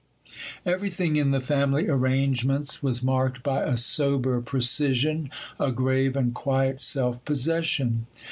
Everything in the family arrangements was marked by a sober precision, a grave and quiet self possession.